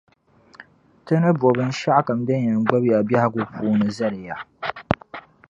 Ti ni bo binshɛɣu kam din yɛn gbubi ya biεhigu puuni zali ya.